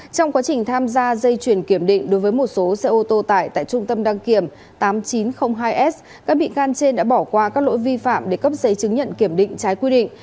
trong quá trình tham gia dây chuyển kiểm định đối với một số xe ô tô tải tại trung tâm đăng kiểm tám nghìn chín trăm linh hai s các bị can trên đã bỏ qua các lỗi vi phạm để cấp giấy chứng nhận kiểm định trái quy định